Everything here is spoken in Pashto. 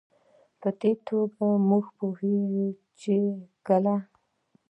په دې توګه موږ پوهېږو چې کله